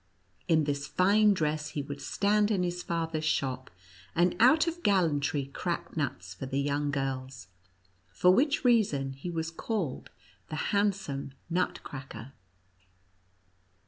In this fine dress he would stand in his father's shop, and out of gallantry crack nuts for the young girls, for which reason he was called the handsome Nutcracker.